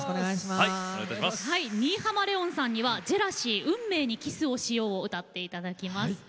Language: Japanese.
新浜レオンさんには「ジェラシー運命にｋｉｓｓをしよう」を歌っていただきます。